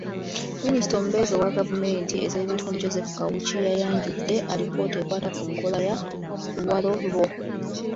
Minisita omubeezi owa gavumenti ez’ebitundu Joseph Kawuki yayanjudde alipoota ekwata ku nkola ya "luwalo lwo".